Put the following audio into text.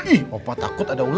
ih opa takut ada ulu